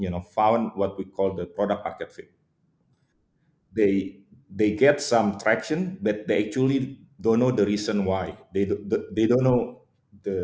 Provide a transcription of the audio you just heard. mereka mendapatkan beberapa perawatan tetapi sebenarnya mereka tidak tahu alasan mengapa mereka tidak tahu